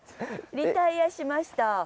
「リタイヤしました」。